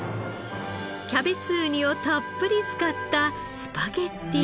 キャベツウニをたっぷり使ったスパゲティ。